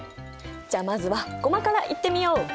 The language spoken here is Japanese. じゃあまずはゴマからいってみよう！